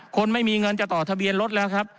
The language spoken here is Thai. คนไม่มีเงินจะต่อทะเบียนรถแล้วครับ